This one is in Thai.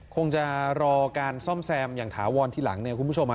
คงจะรอการซ่อมแซมอย่างถาวรทีหลังเนี่ยคุณผู้ชม